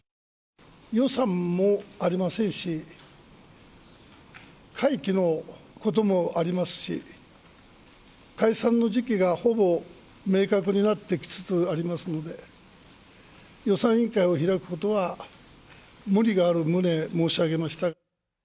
予算もありませんし、会期のこともありますし、解散の時期がほぼ明確になってきつつありますので、予算委員会を開くことは無理がある旨申し上げました。